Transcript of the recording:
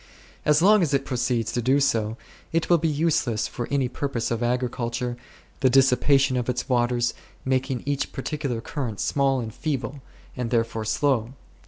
As long as it proceeds so, it will be useless for any purpose of agriculture, the dissipation of its waters making each par ticular current small and feeble, and therefore slow.